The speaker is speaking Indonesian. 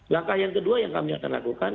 langkah yang kedua yang kami akan lakukan